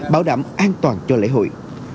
bảo đảm an toàn cho lễ hội